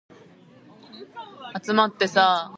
This dam has been created with mud and rocks.